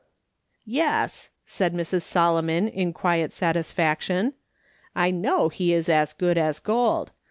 " Yes," said Mrs. Solomon, in quiet satisfaction ; "I know he is as good as gold.